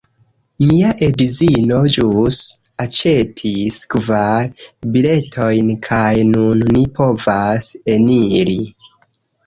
Mia edzino ĵus aĉetis kvar biletojn kaj nun ni povas eniri